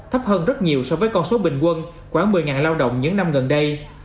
thấp hơn rất nhiều so với con số bình quân khoảng một mươi lao động những năm gần đây